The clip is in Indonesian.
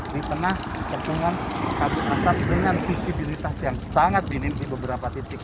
di tengah kecencungan kabut asap dengan visibilitas yang sangat dining di beberapa titik